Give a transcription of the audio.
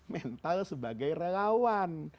mental sebagai relawan